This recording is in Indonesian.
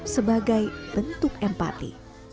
sebagai bentuk empati